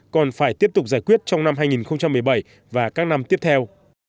còn phải tiếp tục giải quyết trong năm hai nghìn một mươi bảy và các năm tiếp theo